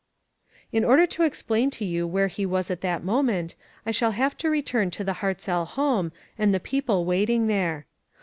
In order to explain to you where he was at that moment, I shall have to return to the Hartzell home, and the people waiting there.